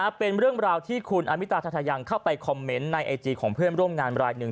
เป็นเรื่องราวที่คุณอมิตาทัทยังเข้าไปคอมเมนต์ในไอจีของเพื่อนร่วมงานรายหนึ่ง